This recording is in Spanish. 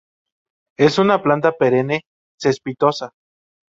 Es una planta perenne, cespitosa.